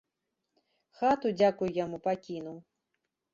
Хату, дзякуй яму, пакінуў.